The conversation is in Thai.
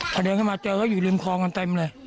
พอเดินเข้ามาเจอเขาอยู่ริมคลองกันเต็มเลย